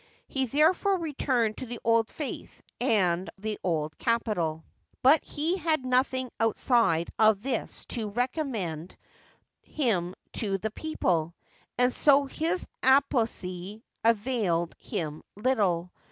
He therefore returned to the old faith and the old capital. But he had nothing outside of this to recommend him to the people, and so his apostacy availed him little.